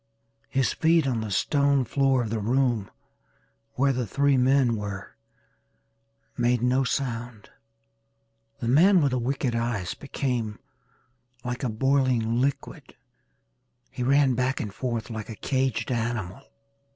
His feet on the stone floor of the room where the three men were made no sound. The man with the wicked eyes became like a boiling liquid he ran back and forth like a caged animal.